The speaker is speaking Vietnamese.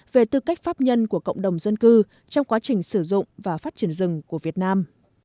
về tư cách pháp nhân của cộng đồng dân cư trong quá trình sử dụng và phát triển rừng của việt nam